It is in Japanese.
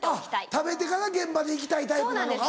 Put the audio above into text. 食べてから現場に行きたいタイプなのか。